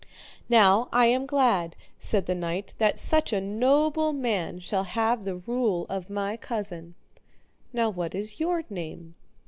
Now I am glad, said the knight, that such a noble man shall have the rule of my cousin. Now, what is your name?